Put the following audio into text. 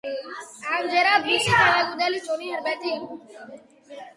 ამჯერად მისი თანაგუნდელი ჯონი ჰერბერტი იყო.